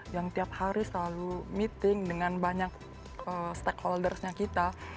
yang tiap hari selalu meeting dengan banyak stakeholdersnya kita